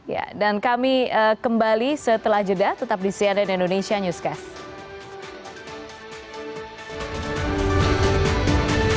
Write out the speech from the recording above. ya dan kami juga berdiskusi malam hari ini